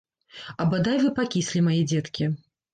А бадай вы пакіслі, мае дзеткі!